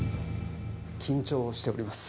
緊張しております。